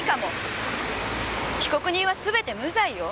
被告人はすべて無罪よ。